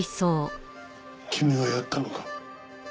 君がやったのか？